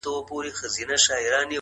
• ساړه بادونه له بهاره سره لوبي کوي,